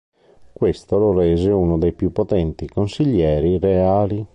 Questo lo rese uno dei più potenti consiglieri reali.